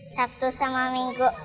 sabtu sama minggu